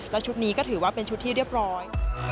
และชุดนี้ก็ถือว่าเป็นชุดที่เรียบร้อย